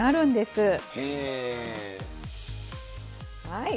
はい。